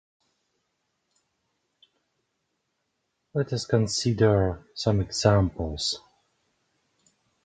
It has been suggested that Karl Eusebius commissioned this oeuvre himself.